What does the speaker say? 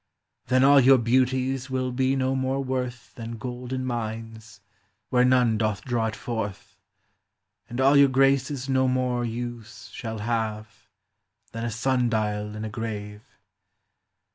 Then all your beauties will be no more worth Than gold in mines, where none doth draw it forth ; And all your graces no more use shall have, Than a sun dial in a grave.